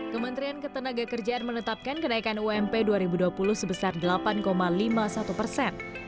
kementerian ketenaga kerjaan menetapkan kenaikan ump dua ribu dua puluh sebesar delapan lima puluh satu persen